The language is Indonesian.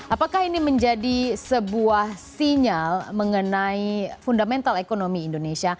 apakah ini menjadi sebuah sinyal mengenai fundamental ekonomi indonesia